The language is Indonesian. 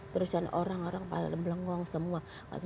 terusan orang orang pada lemblenggong semua